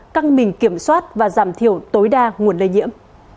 căng mình kiểm soát và giảm thiểu tối đa nguồn lây nhiễm